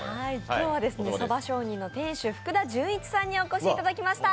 今日は蕎上人の店主、福田純一さんにお越しいただきました。